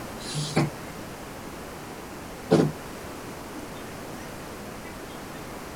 Herbaria are established within faculties and institutes of credible universities.